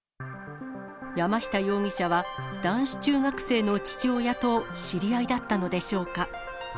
山下容疑者は、男子中学生の父親と知り合いだったのでしょうか。